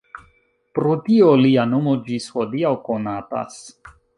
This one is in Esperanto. Pro tio lia nomo ĝis hodiaŭ konatas.